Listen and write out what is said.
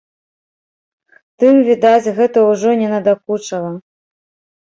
Тым, відаць, гэта ўжо не надакучала.